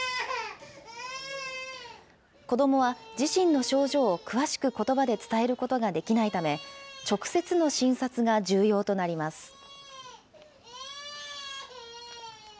子どもは自身の症状を詳しくことばで伝えることができないため、直接の診察が重要となります。